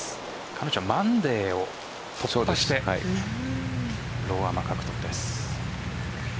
彼女はマンデーを通ってローアマ獲得です。